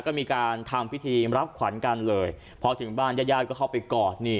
ก็มีการทำพิธีรับขวัญกันเลยพอถึงบ้านญาติญาติก็เข้าไปกอดนี่